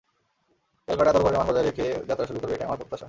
ক্যালকাটা দরবারের মান বজায় রেখে যাত্রা শুরু করবে, এটাই আমার প্রত্যাশা।